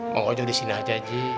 bang ojo disini aja ji